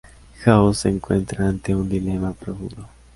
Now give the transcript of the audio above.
House se encuentra ante un dilema profundo.